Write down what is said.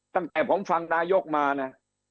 ตั้งแต่ผมฟังนายกมานะ